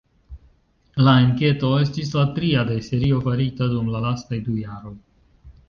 La enketo estis la tria de serio farita dum la lastaj du jaroj.